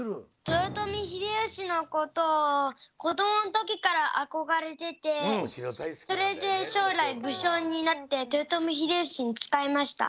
豊臣秀吉のことを子どものときからあこがれててそれでしょうらい武将になって豊臣秀吉に仕えました。